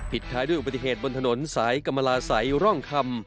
ผิดท้ายด้วยอุปสริทธิ์บนถนนสายกำลาสัยร่องคำ